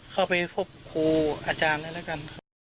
เข้าไปพบครูอาจารย์เลยแล้วกัน